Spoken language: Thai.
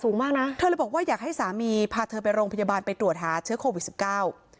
มากนะเธอเลยบอกว่าอยากให้สามีพาเธอไปโรงพยาบาลไปตรวจหาเชื้อโควิดสิบเก้า